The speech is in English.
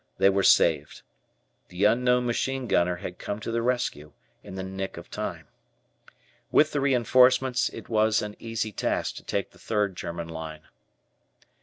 They were saved. The unknown machine gunner had come to the rescue in the nick of time. With the reinforcements, it was an easy task to take the third German line.